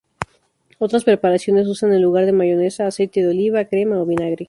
Otras preparaciones usan en lugar de mayonesa, aceite de oliva, crema o vinagre.